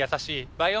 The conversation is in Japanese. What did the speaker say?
バイオ？